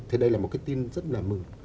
thì đây là một cái tin rất là mừng